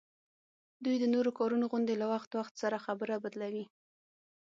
دوی د نورو کارونو غوندي له وخت وخت سره خبره بدلوي